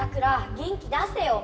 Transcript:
元気出せよ。